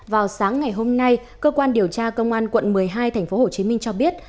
vào sáng ngày hôm nay cơ quan điều tra công an quận một mươi hai tp hcm cho biết